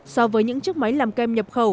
so với những chiếc máy làm kem nhập khẩu